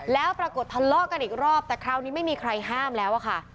แล้วปรากฏทะเลาะกันอีกรอบแต่คราวนี้ไม่มีใครห้ามแล้วอะค่ะ